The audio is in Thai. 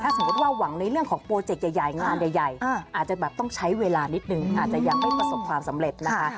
สมมุติว่าหวังในเรื่องของโปรเจกต์ใหญ่งานใหญ่อาจจะแบบต้องใช้เวลานิดนึงอาจจะยังไม่ประสบความสำเร็จนะคะ